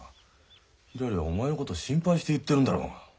ひらりはお前のこと心配して言ってるんだろうが。